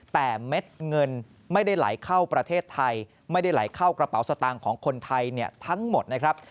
แต่เม็ดเงินไม่ได้ไหลเข้าประเทศไทยไม่ได้ไหลเข้ากระเป๋าสตางค์ของคนไทยเนี่ยทั้งหมดนะครับ